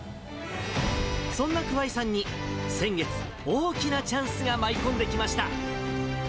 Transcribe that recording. そんな桑井さんに先月、大きなチャンスが舞い込んできました。